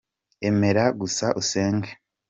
Emera gusa usenge.